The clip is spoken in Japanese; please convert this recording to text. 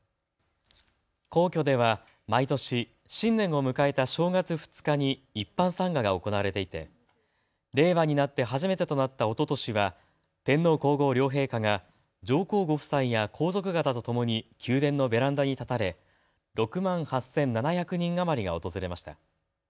皇居では毎年、新年を迎えた正月２日に一般参賀が行われていて、令和になって初めてとなったおととしは天皇皇后両陛下が上皇ご夫妻や皇族方とともに宮殿のベランダに立たれ６万８７００人余りが訪れました。